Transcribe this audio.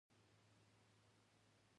په کارېګرو کې يوه ور غږ کړل: